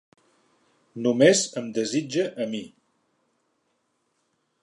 Només em desitja a mi...